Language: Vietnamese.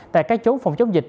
tại các chốt phòng chống dịch